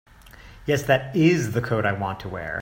Yes, that IS the coat I want to wear.